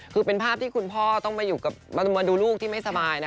คือเป็นภาพที่คุณพ่อต้องมาดูลูกที่ไม่สบายนะ